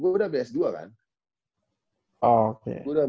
gue udah ambil s dua kan oke